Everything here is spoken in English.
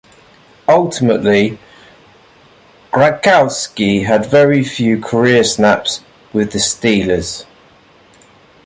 Ultimately, Gradkowski had very few career snaps with the Steelers.